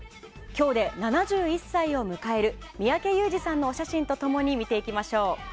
今日で７１歳を迎える三宅裕司さんのお写真と共に見ていきましょう。